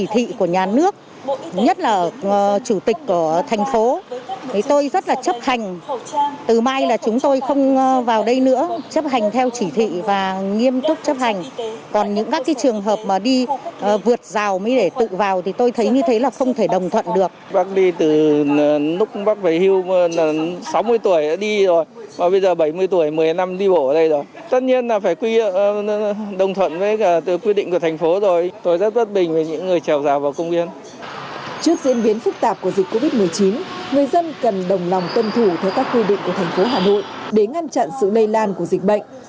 trước diễn biến phức tạp của dịch covid một mươi chín người dân cần đồng lòng tuân thủ theo các quy định của thành phố hà nội để ngăn chặn sự lây lan của dịch bệnh